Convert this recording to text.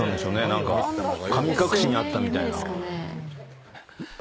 何か神隠しにあったみたいな。